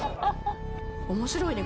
面白いね。